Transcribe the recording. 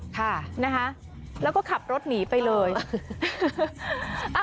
ค่ะนะคะแล้วก็ขับรถหนีไปเลย